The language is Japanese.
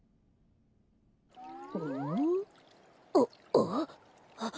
あっ？あっ？